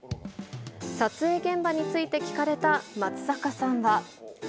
撮影現場について聞かれた松坂さんは。